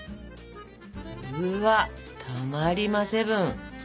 うわたまりまセブン！